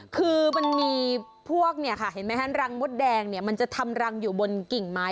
คือมันมีพวกเนี่ยค่ะเห็นไหมฮะรังมดแดงเนี่ยมันจะทำรังอยู่บนกิ่งไม้